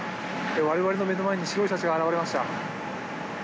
我々の目の前に白いシャチが現れました。